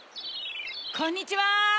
こんにちは！